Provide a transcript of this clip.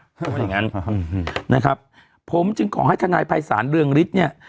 เพราะฉะนั้นนะครับผมจึงขอให้ทนายภายศาลเรื่องฤทธิ์เนี้ย